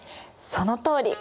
そのとおり！